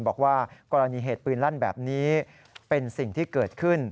บอกว่ากรณีเหตุปืนลั่นแบบนี้เป็นสิ่งที่เกิดขึ้น